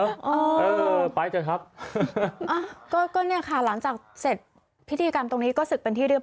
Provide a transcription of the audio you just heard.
เออเออไปเถอะครับอ่าก็ก็เนี่ยค่ะหลังจากเสร็จพิธีกรรมตรงนี้ก็ศึกเป็นที่เรียบ